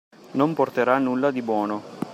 Non porterà a nulla di buono!